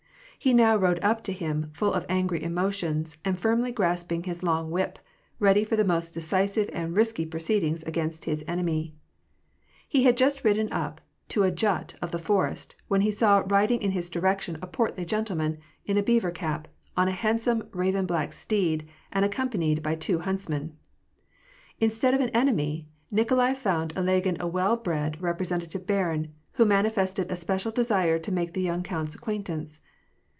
He now rode up to him, full of angry emotions, and firmly grasping his long whip, ready for the most decisive and risky proceedings against his enemy. He had just ridden up to a jut of the forest, when he saw riding in his direction a portly gentleman, in a beaver cap, on a handsome raven black steed, and accompanied by two huntsmen* Instead of an enemy, Nikolai found in Ilagin a well bred, representative barin, who manifested a special desire to make the young count's acquaintance.